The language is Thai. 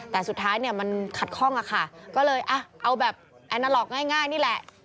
แต่สุดท้ายเนี่ยมันขัดข้องอะค่ะก็เลยเอาแบบแอนนาล็อกง่ายนี่แหละ